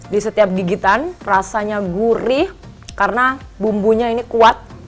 di setiap gigitan rasanya gurih karena bumbunya ini kuat